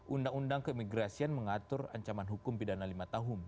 undang undang keimigrasian mengatur ancaman hukum pidana lima tahun